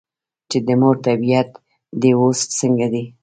چې " د مور طبیعیت دې اوس څنګه دے ؟" ـ